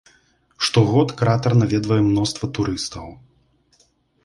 Штогод кратар наведвае мноства турыстаў.